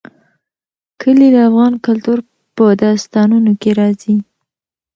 کلي د افغان کلتور په داستانونو کې راځي.